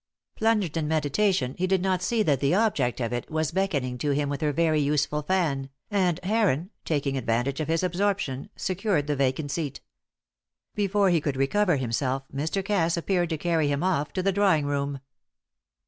Plunged in meditation, he did not see that the object of it was beckoning to him with her very useful fan, and Heron, taking advantage of his absorption, secured the vacant seat. Before he could recover himself, Mr. Cass appeared to carry him off to the drawing room.